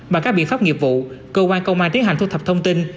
bằng các biện pháp nghiệp vụ cơ quan công an tiến hành thu thập thông tin